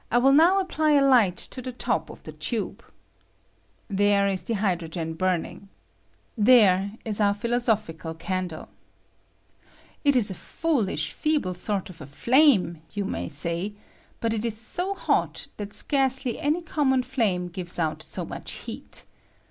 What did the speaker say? I will now apply a light to the top of the tube. There is the hydrogen burning. There is our philosoph ical candle. It is a foolish, feeble sort of a flame, you may say, but it ig so hot that scarcely any common flame gives out so much heat.